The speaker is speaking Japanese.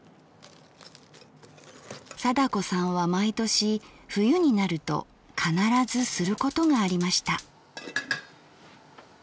貞子さんは毎年冬になると必ずすることがありました。